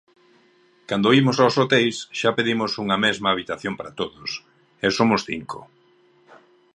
Cando imos aos hoteis xa pedimos unha mesma habitación para todos, e somos cinco.